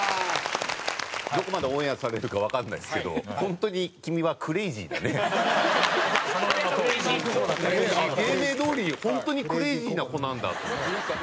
どこまでオンエアされるかわかんないですけど本当に君は芸名どおり本当にクレイジーな子なんだと思って。